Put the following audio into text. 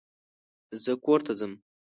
زه کور ته ځم.